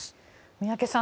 宮家さん